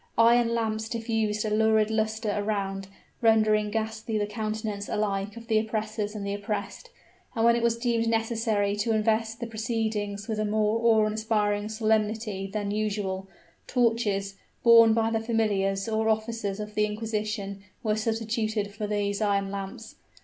Iron lamps diffused a lurid luster around, rendering ghastly the countenance alike of the oppressors and the oppressed; and when it was deemed necessary to invest the proceedings with a more awe inspiring solemnity than usual, torches, borne by the familiars or officers of the inquisition, were substituted for these iron lamps.